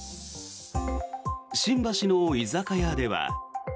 新橋の居酒屋では。